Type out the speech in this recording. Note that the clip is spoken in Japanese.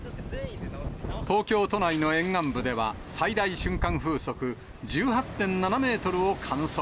東京都内の沿岸部では、最大瞬間風速１８．７メートルを観測。